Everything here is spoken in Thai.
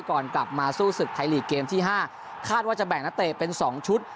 ก่อนกลับมาสู้ศึกไทยลีกเกมที่ห้าคาดว่าจะแบ่งนักเตะเป็นสองชุด